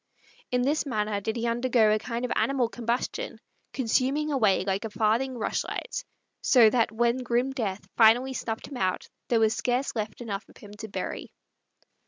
In this manner did he undergo a kind of animal combustion, consuming away like a farthing rush light; so that when grim death finally snuffed him out there was scarce left enough of him to bury.